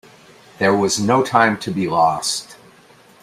There was no time to be lost.